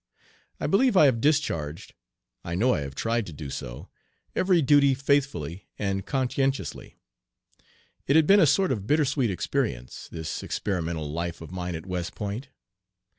I believe I have discharged I know I have tried to do so every duty faithfully and conscientiously. It had been a sort of bittersweet experience, this experimental life of mine at West Point.